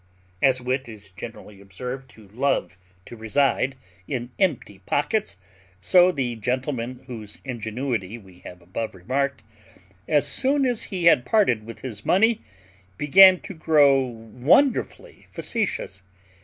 As wit is generally observed to love to reside in empty pockets, so the gentleman whose ingenuity we have above remarked, as soon as he had parted with his money, began to grow wonderfully facetious.